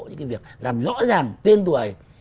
những việc làm rõ ràng tuyên tuổi